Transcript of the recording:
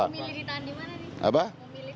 mobil yang ditahan dimana nih